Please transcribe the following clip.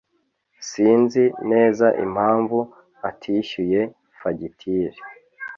Sinzi neza impamvu atishyuye fagitire.